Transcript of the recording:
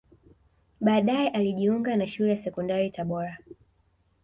Baadae alijiunga na Shule ya Sekondari Tabora